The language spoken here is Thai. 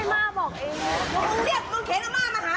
อำมาตย์แม่ธุ์เข้ามา